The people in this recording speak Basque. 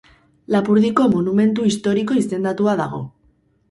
Lapurdiko monumentu historiko izendatua dago.